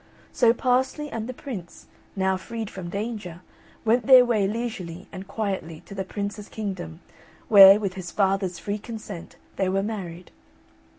So Parsley and the Prince, now freed from danger, went their way leisurely and quietly to the Prince's kingdom, where, with his father's free consent, they were married.